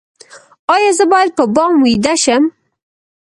ایا زه باید په بام ویده شم؟